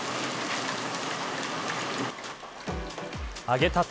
揚げたて